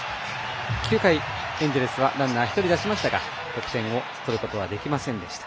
９回、エンジェルスはランナー１人出しましたが得点取ることはできませんでした。